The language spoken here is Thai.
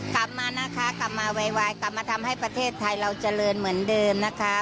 กลับมานะคะกลับมาไวกลับมาทำให้ประเทศไทยเราเจริญเหมือนเดิมนะคะ